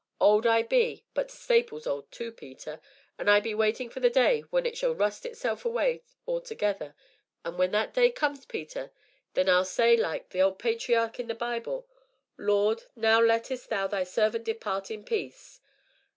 Old I be, but t' stapil's old too, Peter, an' I be waitin' for the day when it shall rust itself away altogether; an' when that day comes, Peter, then I'll say, like the patriach in the Bible: 'Lord, now lettest thou thy servant depart in peace!'